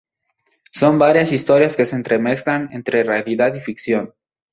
Son varias historias que se entremezclan entre realidad y ficción.